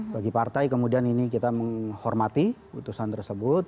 bagi partai kemudian ini kita menghormati putusan tersebut